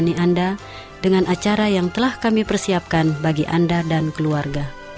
dan menemani anda dengan acara yang telah kami persiapkan bagi anda dan keluarga